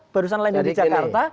barusan landing di jakarta